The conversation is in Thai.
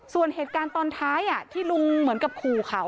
ส่วนเหตุการณ์ตอนท้ายที่ลุงเหมือนกับขู่เขา